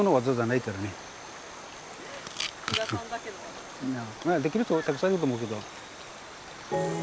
いやできる人たくさんいると思うけど。